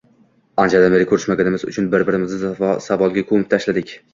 Anchadan beri ko`rishmaganimiz uchun bir-birimizni savolga ko`mib tashladik